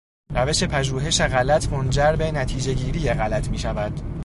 روش پژوهش غلط منجر به نتیجهگیری غلط میشود.